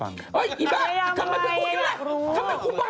อะไรอ่ะ